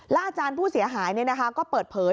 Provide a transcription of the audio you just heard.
อาจารย์ผู้เสียหายก็เปิดเผย